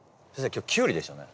今日キュウリでしたよね？